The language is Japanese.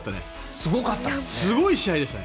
すごい試合でしたね。